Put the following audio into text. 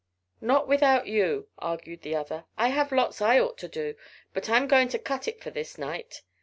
"Not without you," argued the other, "I have lots I ought to do, but I'm going to cut it for this night.